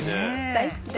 大好き。